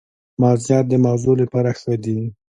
مغزيات د مغز لپاره ښه دي